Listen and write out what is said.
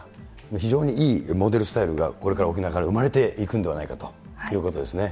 非常にいいモデルスタイルがこれから沖縄から生まれていくんではないかということですね。